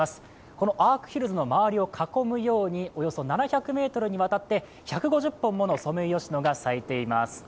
このアークヒルズの周りを囲むようにおよそ７００ｍにわたって１５０本ものソメイヨシノが咲いています。